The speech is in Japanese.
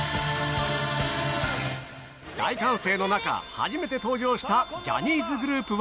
大歓声の中、初めて登場したジャニーズグループは。